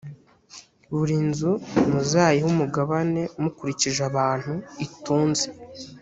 buri nzu muzayihe umugabane mukurikije abantu itunze.